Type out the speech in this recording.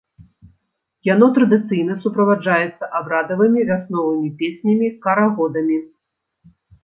Яно традыцыйна суправаджаецца абрадавымі вясновымі песнямі, карагодамі.